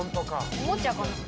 おもちゃかな？